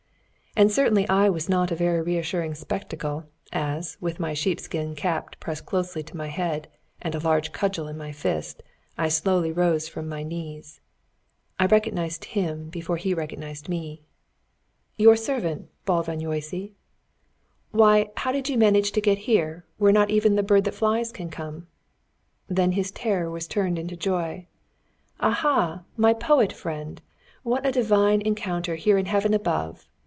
And certainly I was not a very reassuring spectacle, as, with my sheepskin cap pressed closely to my head, and a large cudgel in my fist, I slowly rose from my knees. I recognised him before he recognised me. "Your servant, Bálványossi! Why, how did you manage to get here, where not even the bird that flies can come?" Then his terror was turned into joy. "Ah, ha! my poet friend! What a divine encounter here in Heaven above!"